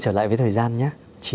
của hai bạn gần nhau